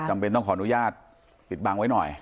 จำเป็นต้องขออนุญาตปิดบังไว้หน่อย